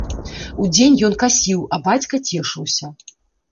Удзень ён касіў, а бацька цешыўся.